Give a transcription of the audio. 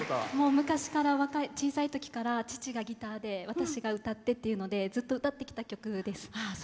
昔から、小さいときから父がギターで私が歌ってっていうのでずっと歌ってきた曲です。